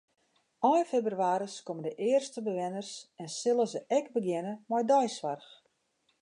Ein febrewaris komme de earste bewenners en sille se ek begjinne mei deisoarch.